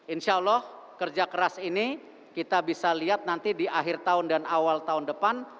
insya allah kerja keras ini kita bisa lihat nanti di akhir tahun dan awal tahun depan